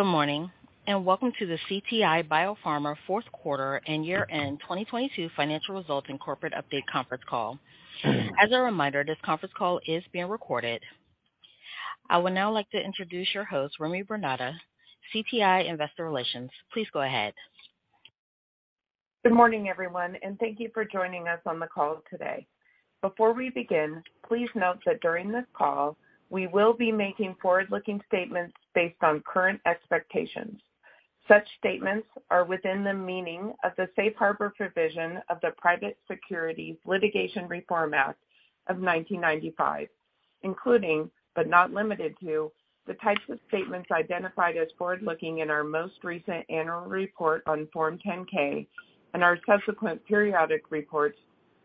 Good morning, welcome to the CTI BioPharma fourth quarter and year-end 2022 financial results and corporate update conference call. As a reminder, this conference call is being recorded. I would now like to introduce your host, Remy Bernarda, CTI Investor Relations. Please go ahead. Good morning, everyone, and thank you for joining us on the call today. Before we begin, please note that during this call, we will be making forward-looking statements based on current expectations. Such statements are within the meaning of the safe harbor provision of the Private Securities Litigation Reform Act of 1995, including, but not limited to, the types of statements identified as forward-looking in our most recent annual report on Form 10-K and our subsequent periodic reports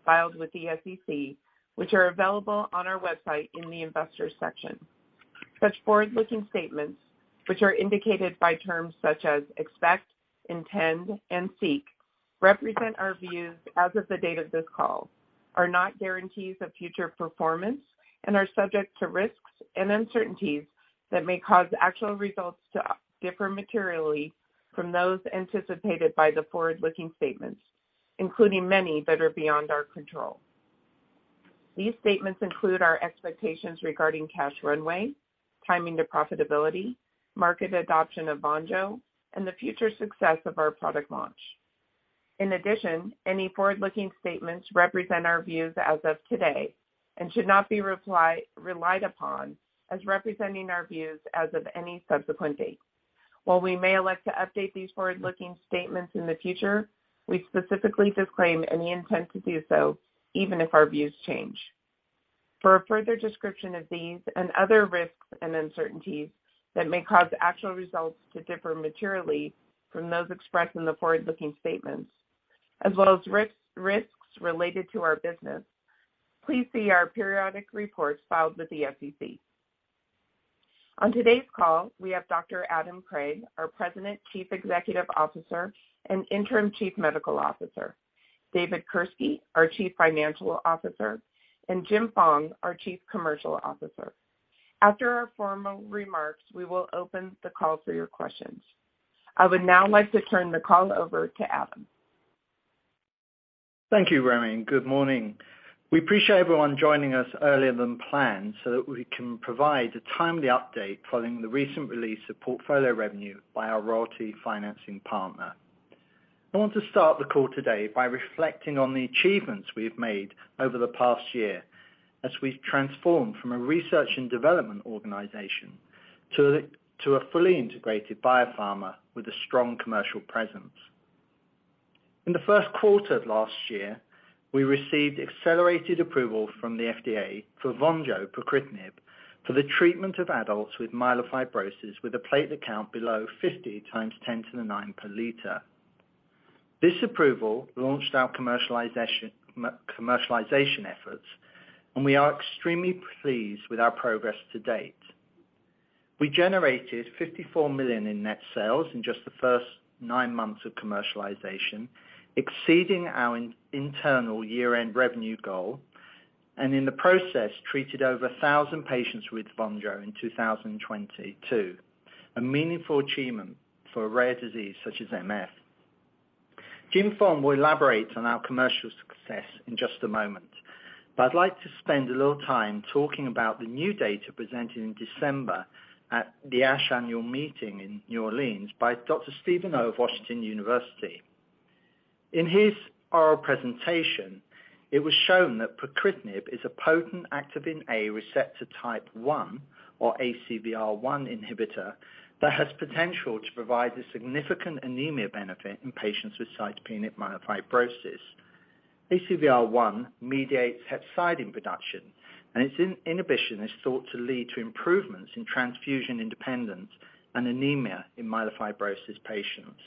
filed with the SEC, which are available on our website in the Investors section. Such forward-looking statements, which are indicated by terms such as "expect," "intend," and "seek," represent our views as of the date of this call, are not guarantees of future performance and are subject to risks and uncertainties that may cause actual results to differ materially from those anticipated by the forward-looking statements, including many that are beyond our control. These statements include our expectations regarding cash runway, timing to profitability, market adoption of VONJO, and the future success of our product launch. In addition, any forward-looking statements represent our views as of today and should not be relied upon as representing our views as of any subsequent date. While we may elect to update these forward-looking statements in the future, we specifically disclaim any intent to do so even if our views change. For a further description of these and other risks and uncertainties that may cause actual results to differ materially from those expressed in the forward-looking statements, as well as risks related to our business, please see our periodic reports filed with the SEC. On today's call, we have Dr. Adam Craig, our President, Chief Executive Officer, and Interim Chief Medical Officer, David Kirske, our Chief Financial Officer, and Jim Fong, our Chief Commercial Officer. After our formal remarks, we will open the call for your questions. I would now like to turn the call over to Adam. Thank you, Romy, and good morning. We appreciate everyone joining us earlier than planned so that we can provide a timely update following the recent release of portfolio revenue by our royalty financing partner. I want to start the call today by reflecting on the achievements we've made over the past year as we've transformed from a research and development organization to a fully integrated biopharma with a strong commercial presence. In the first quarter of last year, we received accelerated approval from the FDA for VONJO pacritinib for the treatment of adults with myelofibrosis with a plate count below 50 x 10^9 per liter. This approval launched our commercialization efforts, and we are extremely pleased with our progress to date. We generated $54 million in net sales in just the first 9 months of commercialization, exceeding our internal year-end revenue goal. In the process, treated over 1,000 patients with VONJO in 2022, a meaningful achievement for a rare disease such as MF. James Fong will elaborate on our commercial success in just a moment. I'd like to spend a little time talking about the new data presented in December at the ASH annual meeting in New Orleans by Dr. Stephen Oh of Washington University. In his oral presentation, it was shown that pacritinib is a potent Activin A receptor type I or ACVR1 inhibitor that has potential to provide a significant anemia benefit in patients with cytopenic myelofibrosis. ACVR1 mediates hepcidin production. Its inhibition is thought to lead to improvements in transfusion independence and anemia in myelofibrosis patients.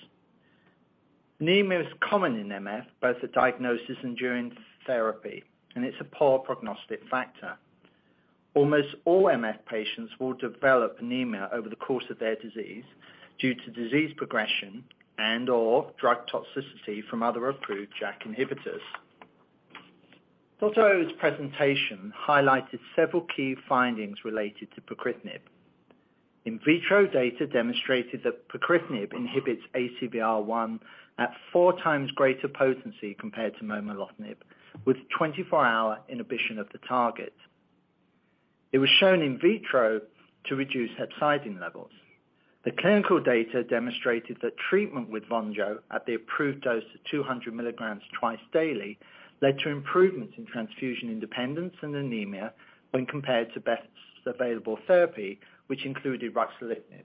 Anemia is common in MF, both at diagnosis and during therapy, and it's a poor prognostic factor. Almost all MF patients will develop anemia over the course of their disease due to disease progression and/or drug toxicity from other approved JAK inhibitors. Dr. Oh's presentation highlighted several key findings related to pacritinib. In vitro data demonstrated that pacritinib inhibits ACVR1 at four times greater potency compared to momelotinib, with 24-hour inhibition of the target. It was shown in vitro to reduce hepcidin levels. The clinical data demonstrated that treatment with VONJO at the approved dose of 200 milligrams twice daily led to improvements in transfusion independence and anemia when compared to best available therapy, which included ruxolitinib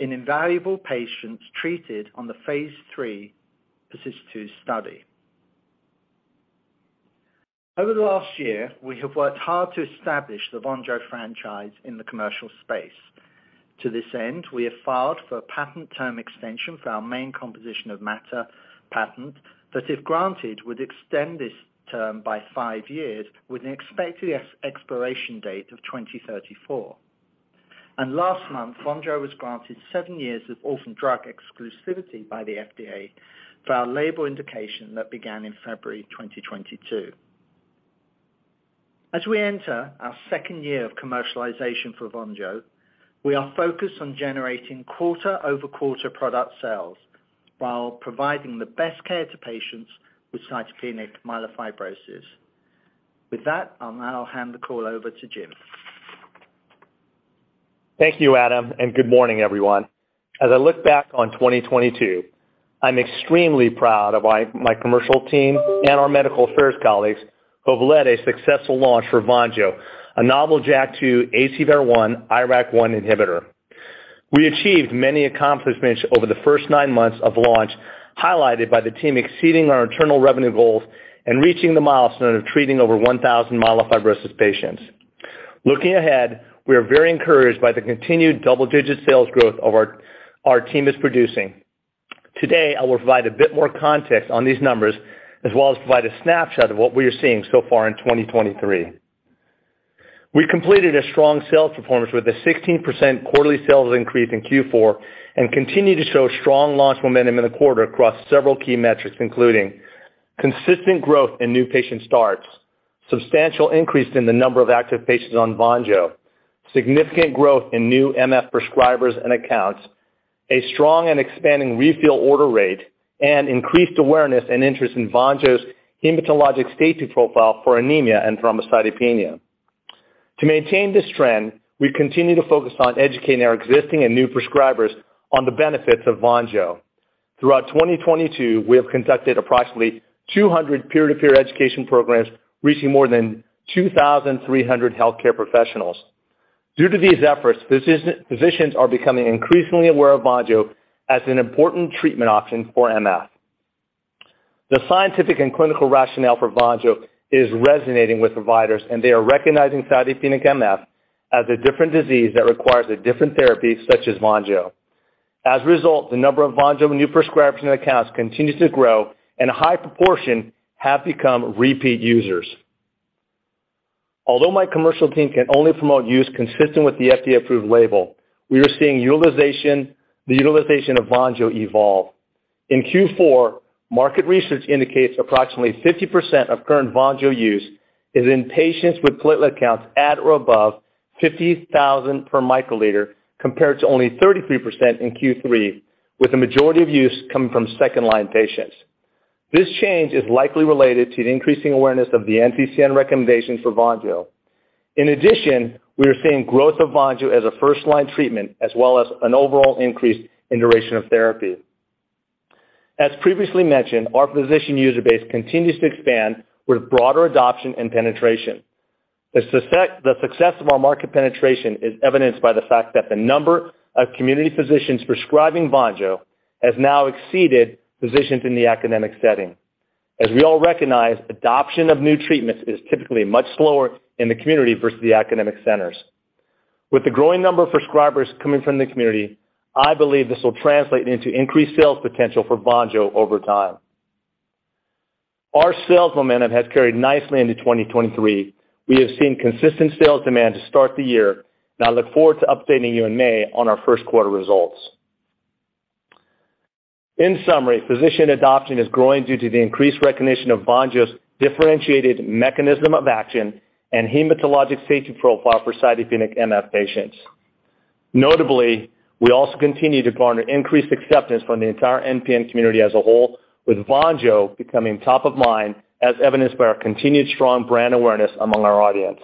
in invaluable patients treated on the Phase 3 PERSIST-2 study. Over the last year, we have worked hard to establish the VONJO franchise in the commercial space. To this end, we have filed for a patent term extension for our main composition of matter patent that, if granted, would extend this term by 5 years with an expected ex-expiration date of 2034. Last month, VONJO was granted 7 years of orphan drug exclusivity by the FDA for our label indication that began in February 2022. As we enter our second year of commercialization for VONJO, we are focused on generating quarter-over-quarter product sales while providing the best care to patients with cytopenic myelofibrosis. With that, I'll now hand the call over to Jim. Thank you, Adam, and good morning, everyone. As I look back on 2022, I'm extremely proud of my commercial team and our medical affairs colleagues who have led a successful launch for VONJO, a novel JAK2, ACVR1, IRAK1 inhibitor. We achieved many accomplishments over the first nine months of launch, highlighted by the team exceeding our internal revenue goals and reaching the milestone of treating over 1,000 myelofibrosis patients. Looking ahead, we are very encouraged by the continued double-digit sales growth of our team is producing. Today, I will provide a bit more context on these numbers as well as provide a snapshot of what we are seeing so far in 2023. We completed a strong sales performance with a 16% quarterly sales increase in Q4 and continue to show strong launch momentum in the quarter across several key metrics, including consistent growth in new patient starts, substantial increase in the number of active patients on VONJO, significant growth in new MF prescribers and accounts, a strong and expanding refill order rate, and increased awareness and interest in VONJO's hematologic safety profile for anemia and thrombocytopenia. To maintain this trend, we continue to focus on educating our existing and new prescribers on the benefits of VONJO. Throughout 2022, we have conducted approximately 200 peer-to-peer education programs, reaching more than 2,300 healthcare professionals. Due to these efforts, physicians are becoming increasingly aware of VONJO as an important treatment option for MF. The scientific and clinical rationale for VONJO is resonating with providers, and they are recognizing cytopenic MF as a different disease that requires a different therapy such as VONJO. As a result, the number of VONJO new prescription accounts continues to grow, and a high proportion have become repeat users. Although my commercial team can only promote use consistent with the FDA-approved label, we are seeing the utilization of VONJO evolve. In Q4, market research indicates approximately 50% of current VONJO use is in patients with platelet counts at or above 50,000 per microliter, compared to only 33% in Q3, with the majority of use coming from second-line patients. This change is likely related to the increasing awareness of the NCCN recommendation for VONJO. In addition, we are seeing growth of VONJO as a first-line treatment, as well as an overall increase in duration of therapy. As previously mentioned, our physician user base continues to expand with broader adoption and penetration. The success of our market penetration is evidenced by the fact that the number of community physicians prescribing VONJO has now exceeded physicians in the academic setting. As we all recognize, adoption of new treatments is typically much slower in the community versus the academic centers. With the growing number of prescribers coming from the community, I believe this will translate into increased sales potential for VONJO over time. Our sales momentum has carried nicely into 2023. We have seen consistent sales demand to start the year, and I look forward to updating you in May on our first quarter results. In summary, physician adoption is growing due to the increased recognition of VONJO's differentiated mechanism of action and hematologic safety profile for cytopenic MF patients. Notably, we also continue to garner increased acceptance from the entire MPN community as a whole, with VONJO becoming top of mind, as evidenced by our continued strong brand awareness among our audience.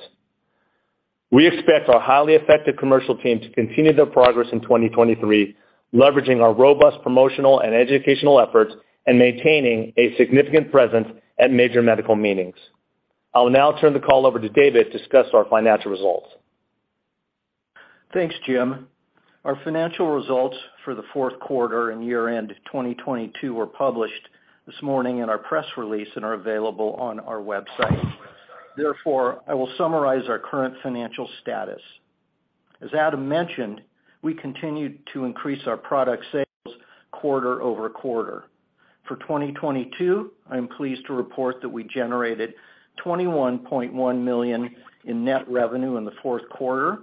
We expect our highly effective commercial team to continue their progress in 2023, leveraging our robust promotional and educational efforts and maintaining a significant presence at major medical meetings. I will now turn the call over to David to discuss our financial results. Thanks, James Fong. Our financial results for the fourth quarter and year-end 2022 were published this morning in our press release and are available on our website. I will summarize our current financial status. As Adam Craig mentioned, we continued to increase our product sales quarter-over-quarter. For 2022, I am pleased to report that we generated $21.1 million in net revenue in the fourth quarter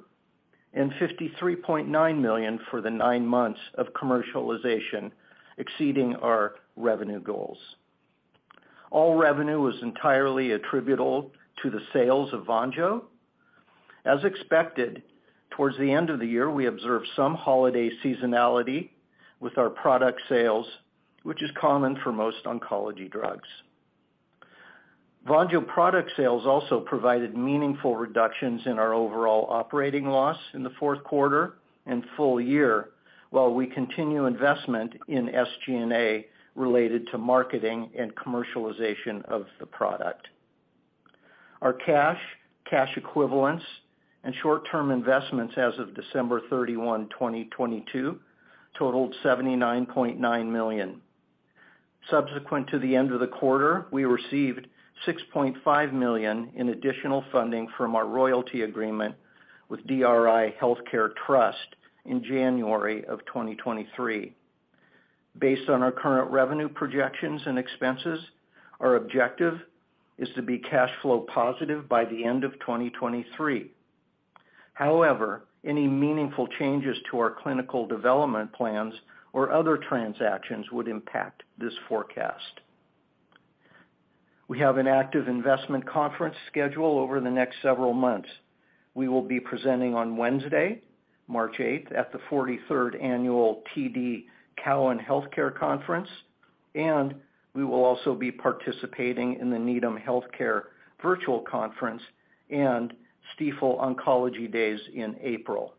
and $53.9 million for the nine months of commercialization, exceeding our revenue goals. All revenue was entirely attributable to the sales of VONJO. As expected, towards the end of the year, we observed some holiday seasonality with our product sales, which is common for most oncology drugs. VONJO product sales also provided meaningful reductions in our overall operating loss in the fourth quarter and full year, while we continue investment in SG&A related to marketing and commercialization of the product. Our cash equivalents, and short-term investments as of December 31, 2022 totaled $79.9 million. Subsequent to the end of the quarter, we received $6.5 million in additional funding from our royalty agreement with DRI Healthcare Trust in January of 2023. Based on our current revenue projections and expenses, our objective is to be cash flow positive by the end of 2023. However, any meaningful changes to our clinical development plans or other transactions would impact this forecast. We have an active investment conference schedule over the next several months. We will be presenting on Wednesday, March 8th, at the 43rd annual TD Cowen Health Care Conference, and we will also be participating in the Needham Healthcare Virtual Conference and Stifel Oncology Days in April.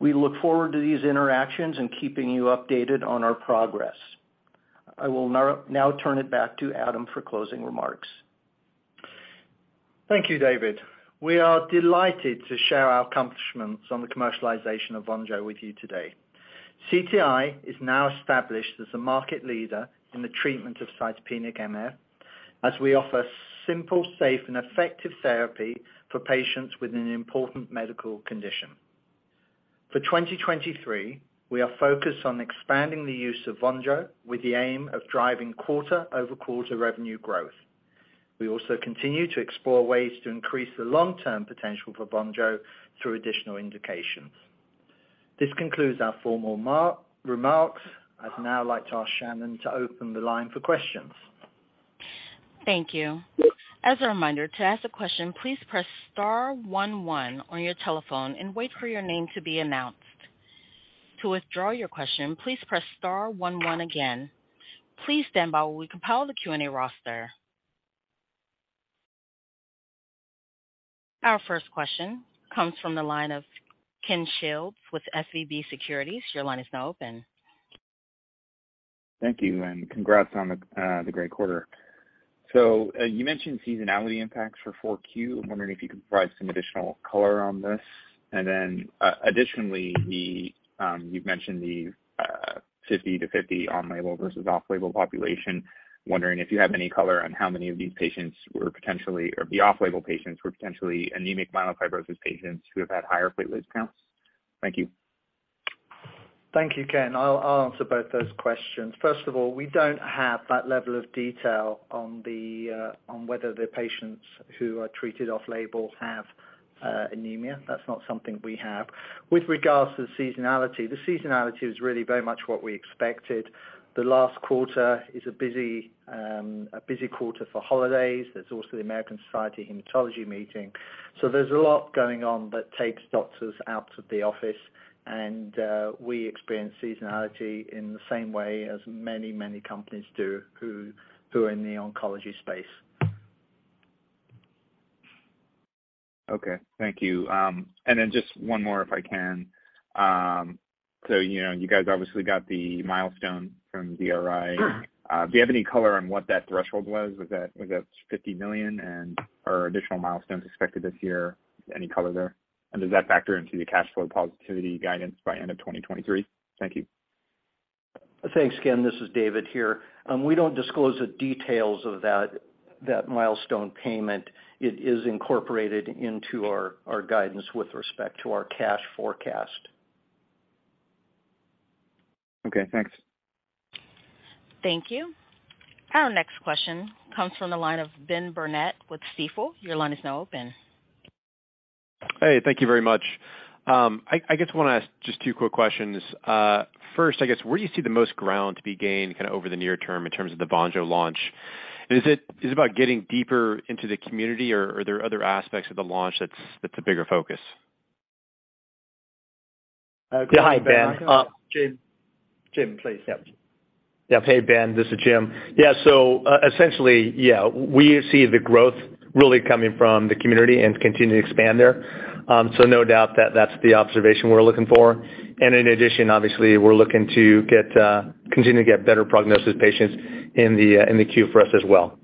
We look forward to these interactions and keeping you updated on our progress. I will now turn it back to Adam for closing remarks. Thank you, David. We are delighted to share our accomplishments on the commercialization of VONJO with you today. CTI is now established as a market leader in the treatment of cytopenic MF as we offer simple, safe, and effective therapy for patients with an important medical condition. For 2023, we are focused on expanding the use of VONJO with the aim of driving quarter-over-quarter revenue growth. We also continue to explore ways to increase the long-term potential for VONJO through additional indications. This concludes our formal remarks. I'd now like to ask Shannon to open the line for questions. Thank you. As a reminder, to ask a question, please press star one-one on your telephone and wait for your name to be announced. To withdraw your question, please press star one-one again. Please stand by while we compile the Q&A roster. Our first question comes from the line of Kenneth Shields with SVB Securities. Your line is now open. Thank you, and congrats on the great quarter. You mentioned seasonality impacts for Q4. I'm wondering if you could provide some additional color on this. Additionally, you've mentioned the 50/50 on-label versus off-label population. I'm wondering if you have any color on how many of these patients were potentially or the off-label patients were potentially anemic myelofibrosis patients who have had higher platelet counts. Thank you. Thank you, Kenneth Shields. I'll answer both those questions. First of all, we don't have that level of detail on whether the patients who are treated off-label have anemia. That's not something we have. With regards to the seasonality, the seasonality is really very much what we expected. The last quarter is a busy quarter for holidays. There's also the American Society Hematology meeting. There's a lot going on that takes doctors out of the office. We experience seasonality in the same way as many companies do who are in the oncology space. Okay. Thank you. Just one more, if I can. You know, you guys obviously got the milestone from DRI. Sure. Do you have any color on what that threshold was? Was that $50 million and are additional milestones expected this year? Any color there? Does that factor into the cash flow positivity guidance by end of 2023? Thank you. Thanks, Ken. This is David here. We don't disclose the details of that milestone payment. It is incorporated into our guidance with respect to our cash forecast. Okay, thanks. Thank you. Our next question comes from the line of Benjamin Burnett with Stifel. Your line is now open. Hey, thank you very much. I guess wanna ask just 2 quick questions. First, I guess, where do you see the most ground to be gained kinda over the near term in terms of the VONJO launch? Is it about getting deeper into the community, or are there other aspects of the launch that's a bigger focus? Go ahead, Ben. Jim, please. Yeah. Yeah. Hey, Ben, this is Jim. Yeah. Essentially, yeah, we see the growth really coming from the community and continue to expand there. No doubt that that's the observation we're looking for. In addition, obviously, we're looking to get, continue to get better prognosis patients in the, in the queue for us as well.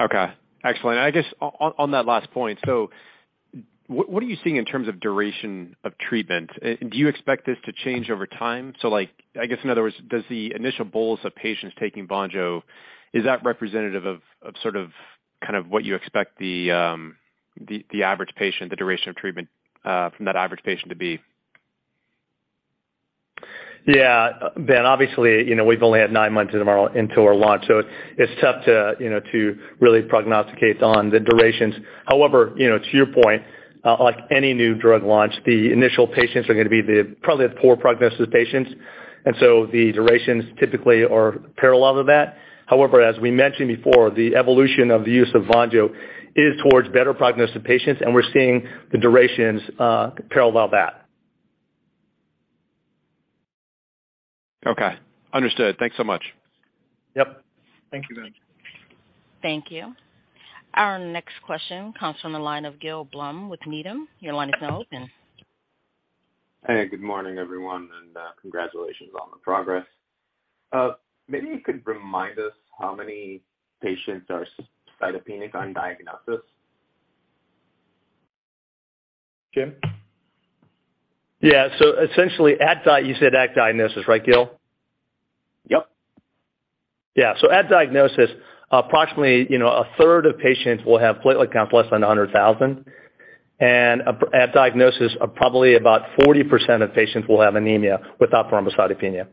Okay. Excellent. I guess on that last point, what are you seeing in terms of duration of treatment? Do you expect this to change over time? Like, I guess, in other words, does the initial bulus of patients taking VONJO, is that representative of sort of, kind of what you expect the average patient, the duration of treatment, from that average patient to be? Yeah. Ben, obviously, you know, we've only had 9 months into our, into our launch, so it's tough to, you know, to really prognosticate on the durations. However, you know, to your point, like any new drug launch, the initial patients are gonna be the probably the poor prognosis patients. The durations typically are parallel to that. However, as we mentioned before, the evolution of the use of VONJO is towards better prognosis patients, and we're seeing the durations parallel that. Okay. Understood. Thanks so much. Yep. Thank you, Ben. Thank you. Our next question comes from the line of Gil Blum with Needham. Your line is now open. Hey, good morning, everyone, and congratulations on the progress. Maybe you could remind us how many patients are cytopenic on diagnosis? Jim? Yeah. You said at diagnosis, right, Gil? Yep. Yeah. At diagnosis, approximately, you know, a third of patients will have platelet counts less than 100,000. At diagnosis, probably about 40% of patients will have anemia without thrombocytopenia.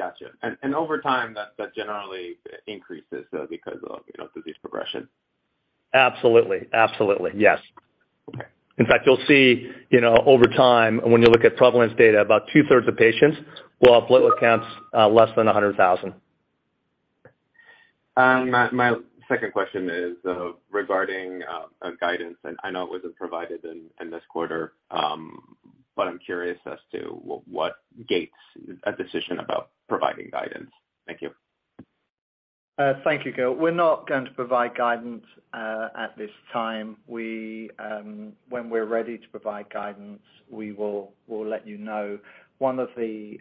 Gotcha. Over time that generally increases, because of you know, disease progression. Absolutely. Absolutely. Yes. Okay. In fact, you'll see, you know, over time, when you look at prevalence data, about two-thirds of patients will have platelet counts, less than 100,000. My second question is regarding guidance. I know it wasn't provided in this quarter. I'm curious as to what gates a decision about providing guidance. Thank you. Thank you, Gil. We're not going to provide guidance at this time. We, when we're ready to provide guidance, we will, we'll let you know. One of the,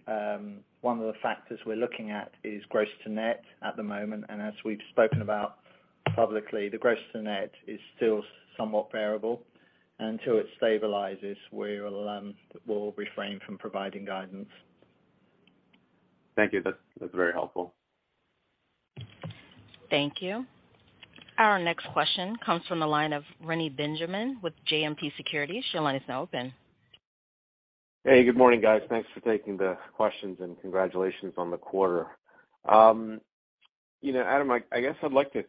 one of the factors we're looking at is gross to net at the moment. As we've spoken about publicly, the gross to net is still somewhat variable. Until it stabilizes, we'll refrain from providing guidance. Thank you. That's very helpful. Thank you. Our next question comes from the line of Reni Benjamin with JMP Securities. Your line is now open. Hey, good morning, guys. Thanks for taking the questions and congratulations on the quarter. You know, Adam, I guess I'd like to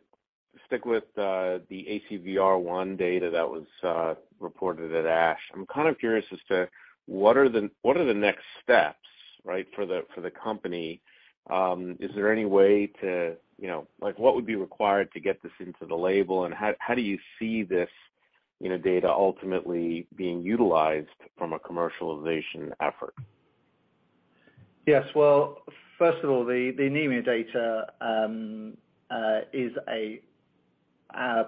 stick with the ACVR1 data that was reported at ASH. I'm kind of curious as to what are the next steps, right, for the company. Is there any way to, Like, what would be required to get this into the label? How do you see this, you know, data ultimately being utilized from a commercialization effort? Yes. Well, first of all, the anemia data is a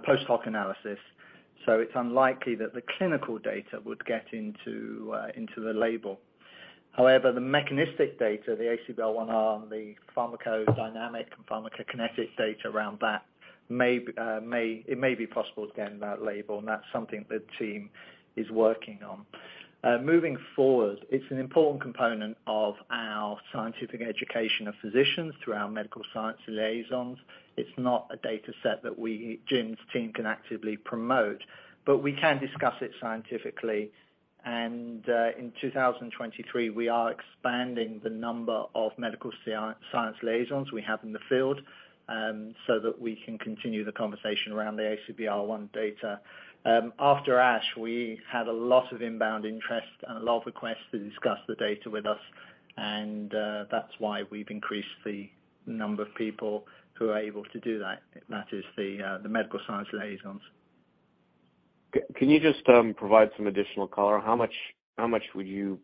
post hoc analysis, so it's unlikely that the clinical data would get into the label. However, the mechanistic data, the ACVR1 arm, the pharmacodynamic and pharmacokinetic data around that may be, it may be possible to get in that label, and that's something the team is working on. Moving forward, it's an important component of our scientific education of physicians through our Medical Science Liaisons. It's not a dataset that we, Jim's team can actively promote. We can discuss it scientifically. In 2023, we are expanding the number of Medical Science Liaisons we have in the field so that we can continue the conversation around the ACVR1 data. After ASH, we had a lot of inbound interest and a lot of requests to discuss the data with us, and that's why we've increased the number of people who are able to do that. That is the medical science liaisons. Can you just provide some additional color? How much would you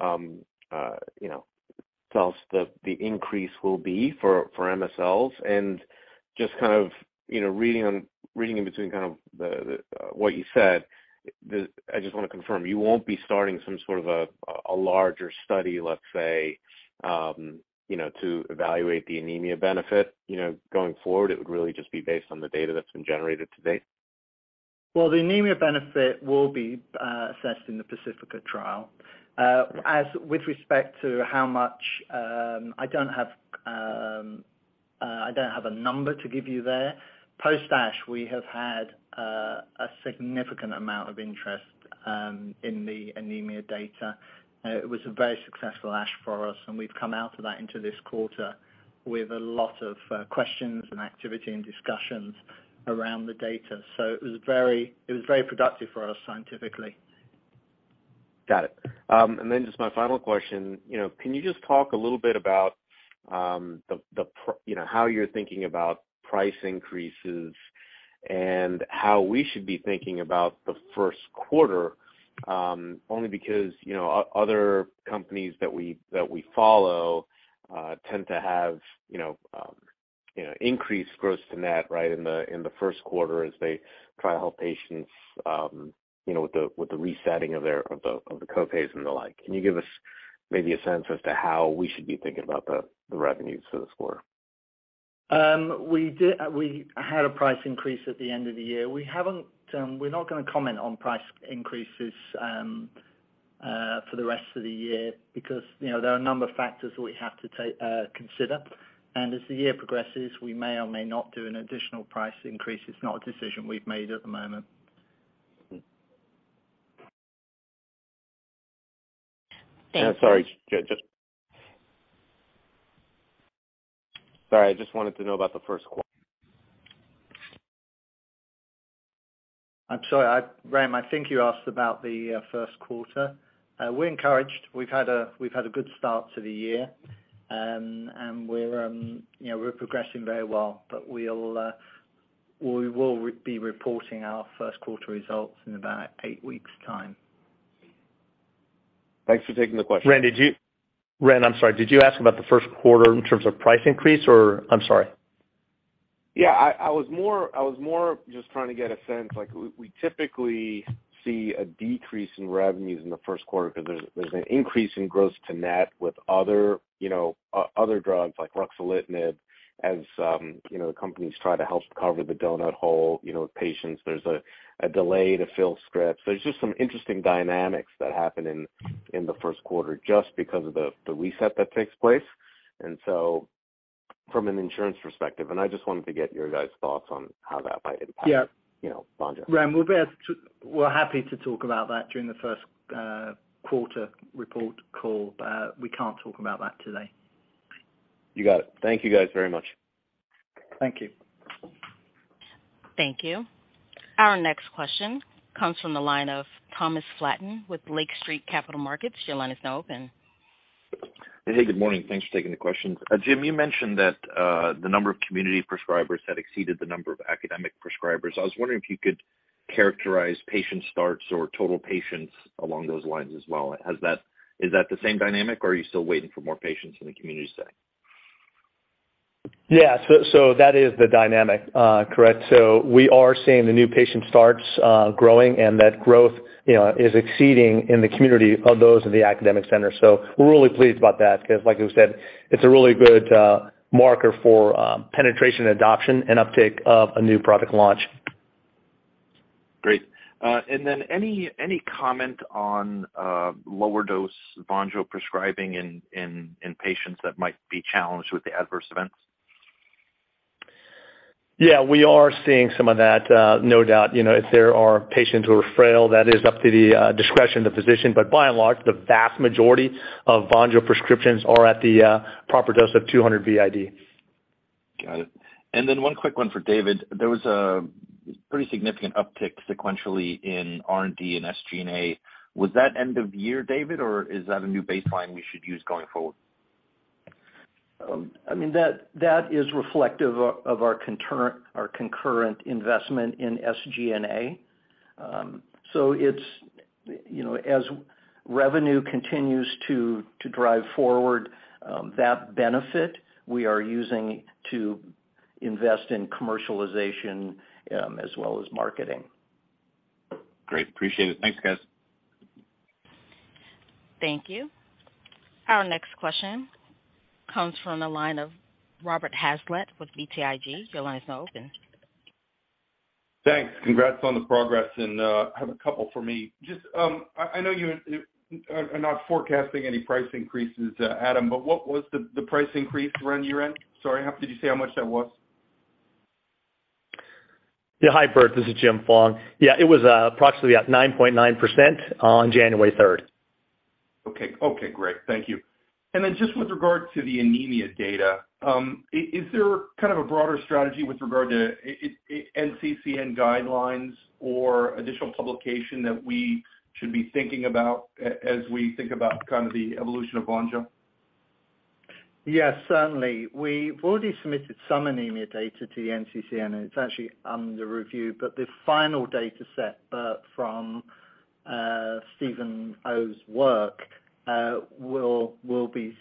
know, tell us that the increase will be for MSLs? Just kind of, you know, reading on, reading in between kind of what you said, I just wanna confirm, you won't be starting some sort of a larger study, let's say, you know, to evaluate the anemia benefit, you know, going forward. It would really just be based on the data that's been generated to date. The anemia benefit will be assessed in the PACIFICA trial. As with respect to how much, I don't have a number to give you there. Post ASH, we have had a significant amount of interest in the anemia data. It was a very successful ASH for us, and we've come out of that into this quarter with a lot of questions and activity and discussions around the data. It was very, it was very productive for us scientifically. Got it. Just my final question. You know, can you just talk a little bit about, you know, how you're thinking about price increases and how we should be thinking about the first quarter, only because, you know, other companies that we, that we follow, tend to have, you know, increased gross to net, right, in the, in the first quarter as they try to help patients, you know, with the resetting of their co-pays and the like? Can you give us maybe a sense as to how we should be thinking about the revenues for this quarter? We had a price increase at the end of the year. We haven't, we're not gonna comment on price increases for the rest of the year because, you know, there are a number of factors that we have to consider. As the year progresses, we may or may not do an additional price increase. It's not a decision we've made at the moment. Hmm. Thank you. Sorry. I just wanted to know about the first quarter. I'm sorry. Ram, I think you asked about the first quarter. We're encouraged. We've had a good start to the year. And we're, you know, we're progressing very well. We'll, we will be reporting our first quarter results in about 8 weeks' time. Thanks for taking the question. Ram, I'm sorry. Did you ask about the first quarter in terms of price increase or...? I'm sorry. Yeah. I was more just trying to get a sense. Like, we typically see a decrease in revenues in the first quarter 'cause there's an increase in gross to net with other, you know, other drugs like ruxolitinib as, you know, the companies try to help cover the donut hole, you know, with patients. There's a delay to fill scripts. There's just some interesting dynamics that happen in the first quarter just because of the reset that takes place. From an insurance perspective, and I just wanted to get your guys' thoughts on how that might impact. Yeah. You know, VONJO. Ram, We're happy to talk about that during the first quarter report call, but we can't talk about that today. You got it. Thank you guys very much. Thank you. Thank you. Our next question comes from the line of Thomas Flaten with Lake Street Capital Markets. Your line is now open. Hey, good morning. Thanks for taking the question. Jim, you mentioned that the number of community prescribers had exceeded the number of academic prescribers. I was wondering if you could characterize patient starts or total patients along those lines as well. Is that the same dynamic, or are you still waiting for more patients in the community setting? Yeah, so that is the dynamic, correct. We are seeing the new patient starts growing, and that growth, you know, is exceeding in the community of those in the academic center. We're really pleased about that because like we said, it's a really good marker for penetration, adoption, and uptick of a new product launch. Great. Any comment on lower dose VONJO prescribing in patients that might be challenged with the adverse events? Yeah, we are seeing some of that, no doubt. You know, if there are patients who are frail, that is up to the discretion of the physician. By and large, the vast majority of VONJO prescriptions are at the proper dose of 200 BID. Got it. One quick one for David. There was a pretty significant uptick sequentially in R&D and SG&A. Was that end of year, David, or is that a new baseline we should use going forward? I mean, that is reflective of our concurrent investment in SG&A. It's, you know, as revenue continues to drive forward, that benefit, we are using to invest in commercialization, as well as marketing. Great. Appreciate it. Thanks, guys. Thank you. Our next question comes from the line of Robert Hazlett with BTIG. Your line is now open. Thanks. Congrats on the progress. I have a couple for me. Just I know you are not forecasting any price increases, Adam, but what was the price increase year-over-year end? Sorry, how did you say how much that was? Hi, Robert, this is James Fong. It was, approximately at 9.9% on January third. Okay. Okay, great. Thank you. Just with regard to the anemia data, is there kind of a broader strategy with regard to a NCCN guidelines or additional publication that we should be thinking about as we think about kind of the evolution of VONJO? Yes, certainly. We've already submitted some anemia data to the NCCN, and it's actually under review. The final dataset, Robert, from Stephen Oh's work, will be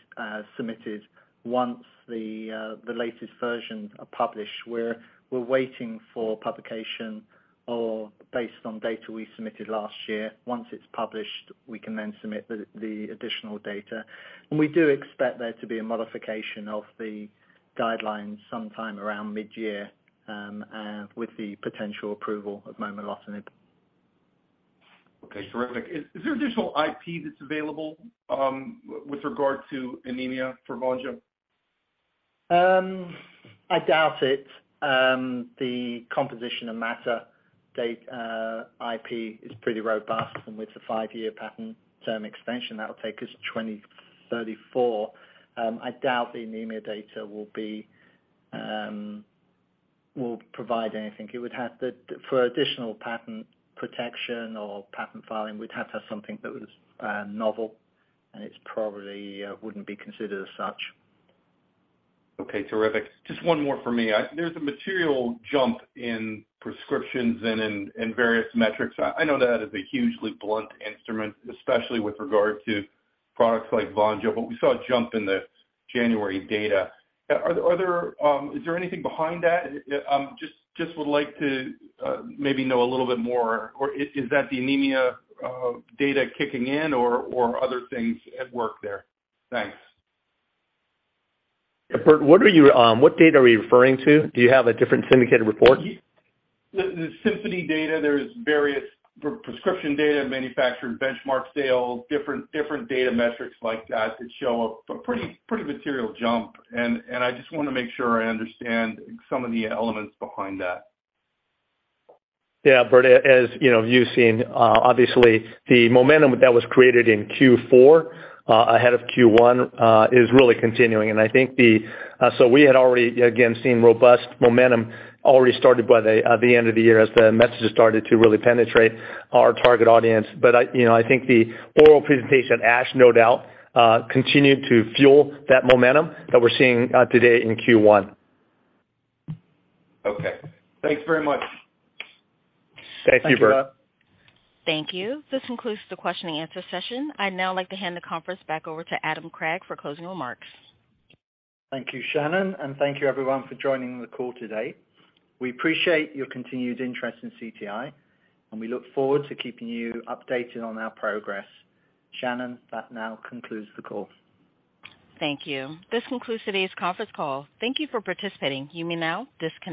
submitted once the latest version are published. We're waiting for publication or based on data we submitted last year. Once it's published, we can then submit the additional data. We do expect there to be a modification of the guidelines sometime around mid-year with the potential approval of momelotinib. Terrific. Is there additional IP that's available with regard to anemia for VONJO? I doubt it. The composition of matter date IP is pretty robust, and with the five-year patent term extension, that'll take us 2034. I doubt the anemia data will provide anything. For additional patent protection or patent filing, we'd have to have something that was novel, and it's probably wouldn't be considered as such. Okay. Terrific. Just one more for me. There's a material jump in prescriptions and in various metrics. I know that is a hugely blunt instrument, especially with regard to products like VONJO. We saw a jump in the January data. Are there anything behind that? Just would like to maybe know a little bit more. Is that the anemia data kicking in or other things at work there? Thanks. Yeah. Robert, what data are you referring to? Do you have a different syndicated report? The Symphony data, there's various prescription data, manufacturer benchmark sales, different data metrics like that that show a pretty material jump. I just wanna make sure I understand some of the elements behind that. Yeah. Robert, as you know, you've seen, obviously the momentum that was created in Q4, ahead of Q1, is really continuing. I think the... we had already, again, seen robust momentum already started by the end of the year as the messages started to really penetrate our target audience. I, you know, I think the oral presentation, ASH, no doubt, continued to fuel that momentum that we're seeing today in Q1. Okay. Thanks very much. Thank you, Robert. Thank you. Thank you. This concludes the question and answer session. I'd now like to hand the conference back over to Adam Craig for closing remarks. Thank you, Shannon, and thank you everyone for joining the call today. We appreciate your continued interest in CTI, and we look forward to keeping you updated on our progress. Shannon, that now concludes the call. Thank you. This concludes today's conference call. Thank you for participating. You may now disconnect.